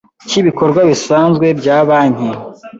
cy ibikorwa bisanzwe bya banki